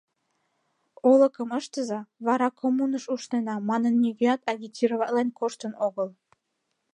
«Олыкым ыштыза, вара коммуныш ушнена», — манын, нигӧат агитироватлен коштын огыл.